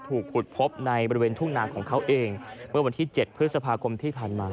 ถูกขุดพบในบริเวณทุ่งนาของเขาเองเมื่อวันที่๗พฤษภาคมที่ผ่านมา